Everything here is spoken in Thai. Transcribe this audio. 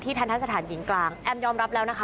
ทันทะสถานหญิงกลางแอมยอมรับแล้วนะคะ